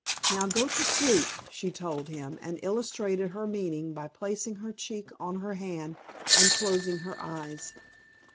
"Now go to sleep," she told him, and illustrated her meaning by placing her cheek on her hand and closing her eyes.